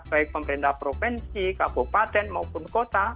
baik pemerintah provinsi kabupaten maupun kota